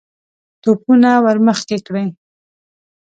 توپونه ور مخکې کړئ!